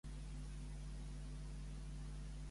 Quin fet descriu que sorprèn per a bé?